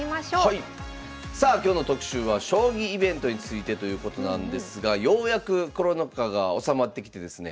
さあ今日の特集は将棋イベントについてということなんですがようやくコロナ禍が収まってきてですね